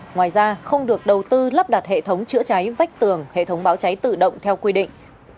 ngoài ra không được đầu tư lắp đặt hệ thống chữa cháy vách tường hệ thống báo cháy tự động theo quy định